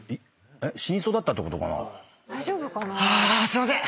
はぁすいません！